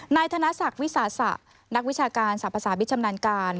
นายธนศักดิ์วิสาสะนักวิชาการสรรพสามิตชำนาญการ